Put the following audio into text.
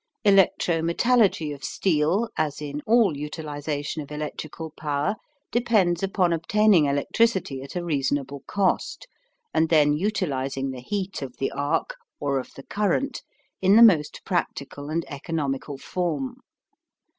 Electro metallurgy of steel, as in all utilization of electrical power, depends upon obtaining electricity at a reasonable cost, and then utilizing the heat of the arc or of the current in the most practical and economical form.